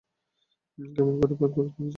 কেমন করে পারে, তা তিনি জানেন না।